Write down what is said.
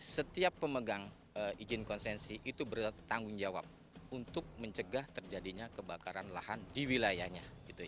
setiap pemegang izin konsensi itu bertanggung jawab untuk mencegah terjadinya kebakaran lahan di wilayahnya